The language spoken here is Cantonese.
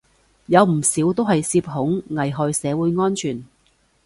有唔少都係涉恐，危害社會安全